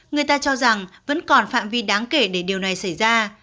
người ta cho rằng vẫn còn phạm vi đáng kể để điều này xảy ra